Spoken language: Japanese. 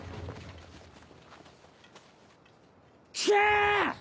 聞け！